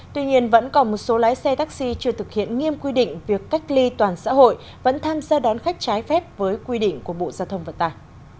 tuy nhiên vẫn còn một số lái xe taxi chưa thực hiện nghiêm quy định việc cách ly toàn xã hội vẫn tham gia đón khách trái phép với quy định của bộ giao thông vận tải